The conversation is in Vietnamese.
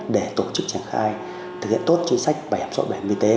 để tổ chức triển khai thực hiện tốt chính sách bảo hiểm xã hội bảo hiểm y tế